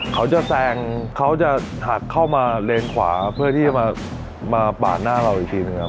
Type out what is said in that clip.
เขาจะแซงเขาจะหักเข้ามาเลนขวาเพื่อที่จะมาปาดหน้าเราอีกทีหนึ่งครับ